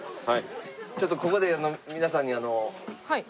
ちょっとここで皆さんにあの。